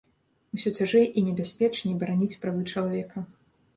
Усё цяжэй і небяспечней бараніць правы чалавека.